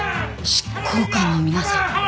執行官の皆さん。